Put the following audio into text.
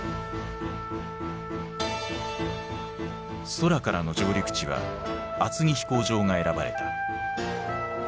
空からの上陸地は厚木飛行場が選ばれた。